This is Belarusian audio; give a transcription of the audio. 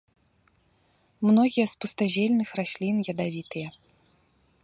Многія з пустазельных раслін ядавітыя.